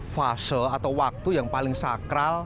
fase atau waktu yang paling sakral